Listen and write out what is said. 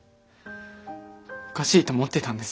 おかしいと思ってたんです。